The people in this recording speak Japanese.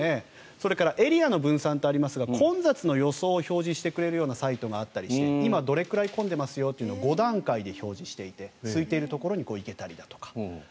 それからエリアの分散となりますが混雑の予想を表示してくれるサイトがあったりして今、どれくらい混んでますよというのを５段階で表示していてすいているところに行けたりだとか。